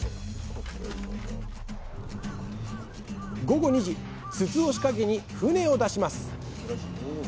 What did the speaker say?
午後２時筒を仕掛けに船を出します。